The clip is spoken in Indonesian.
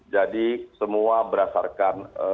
jadi semua berdasarkan pemprov dki jakarta